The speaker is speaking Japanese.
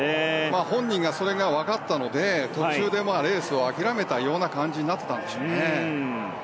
本人がそれが分かったので途中でレースを諦めたような感じになっていたんでしょうか。